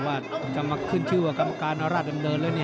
ว่าจะมาขึ้นชื่อว่ากรรมการราชดำเนินแล้วนี่